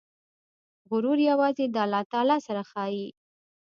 غرور یوازې د الله تعالی سره ښایي.